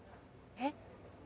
えっ？